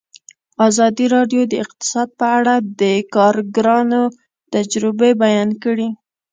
ازادي راډیو د اقتصاد په اړه د کارګرانو تجربې بیان کړي.